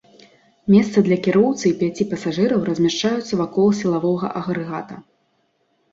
Месцы для кіроўцы і пяці пасажыраў размяшчаюцца вакол сілавога агрэгата.